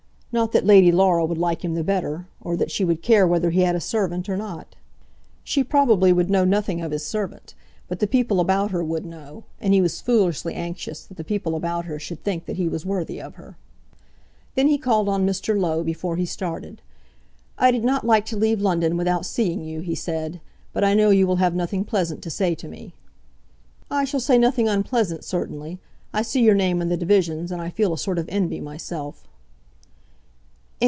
Not that Lady Laura would like him the better, or that she would care whether he had a servant or not. She probably would know nothing of his servant. But the people about her would know, and he was foolishly anxious that the people about her should think that he was worthy of her. Then he called on Mr. Low before he started. "I did not like to leave London without seeing you," he said; "but I know you will have nothing pleasant to say to me." "I shall say nothing unpleasant certainly. I see your name in the divisions, and I feel a sort of envy myself."